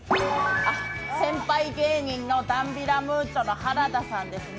先輩芸人のダンビラムーチョの原田さんですね。